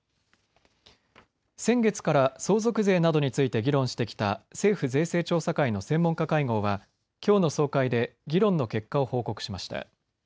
先月から相続税などについて議論してきた政府税制調査会の専門家会合はきょうの総会で議論の結果を報告しました。